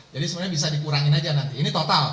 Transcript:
jadi sebenarnya bisa dikurangin aja nanti ini total